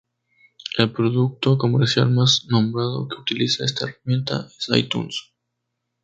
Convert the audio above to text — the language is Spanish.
El producto comercial más nombrado que utiliza esta herramienta es iTunes.